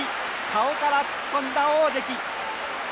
顔から突っ込んだ大関。